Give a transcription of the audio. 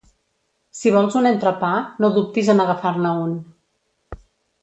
Si vols un entrepà, no dubtis en agafar-ne un.